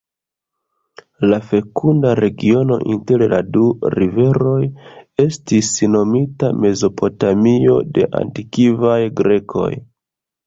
La fekunda regiono inter la du riveroj estis nomita Mezopotamio de antikvaj Grekoj.